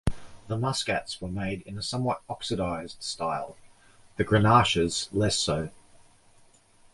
The Muscats are made in a somewhat oxidised style, the Grenaches less so.